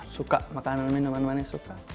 suka makanan minuman manis suka